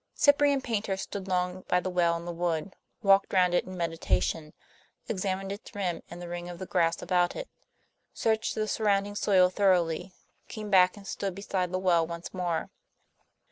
Cyprian Paynter stood long by the well in the wood, walked round it in meditation, examined its rim and the ring of grass about it, searched the surrounding soil thoroughly, came back and stood beside the well once more.